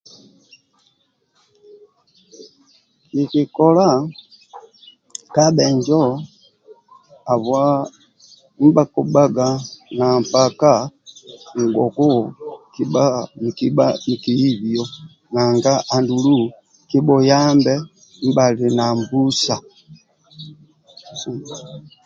Nkikola ka bhenjo ndibha habwa ndibha kibhaga na mpaka andulu kibhuyambe ndibhali na mbusa